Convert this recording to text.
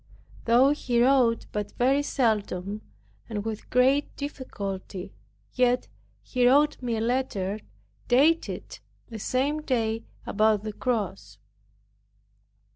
Though he wrote but very seldom, and with great difficulty, yet he wrote me a letter dated the same day about the cross.